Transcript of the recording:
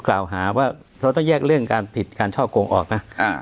กล่าวหาว่าเราต้องแยกเรื่องการผิดการช่อกงออกนะ